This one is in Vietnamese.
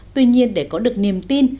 tuy nhiên để có được niềm tin